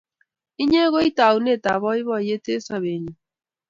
Inye koi taunetap poipoyet eng' sobennyu